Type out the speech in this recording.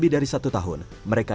tiada pers sydney dan pengemerekaan